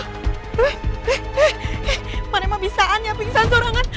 eh eh eh mana emang bisaan ya pingsan sorangan